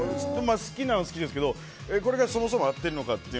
好きは好きなんですけどこれがそもそも合っているのか。